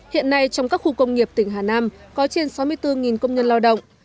hiện nay trong các khu công nghiệp tỉnh hà nam có trên sáu mươi bốn công nhân lao động